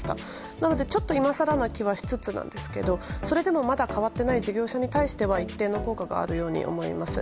なので、ちょっと今更な気はしつつなんですがそれでもまだ変わっていない事業者に対しては一定の効果があるように思います。